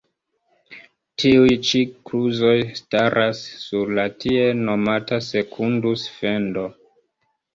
Tiuj ĉi kluzoj staras sur la tiel nomata Sekundus-Fendo.